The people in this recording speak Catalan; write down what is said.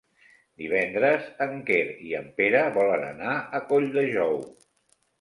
Divendres en Quer i en Pere volen anar a Colldejou.